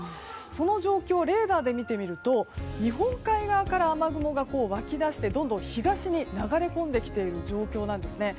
その状況、レーダーで見てみると日本海側から雨雲が湧き出して、どんどん東に流れ込んできている状況なんですね。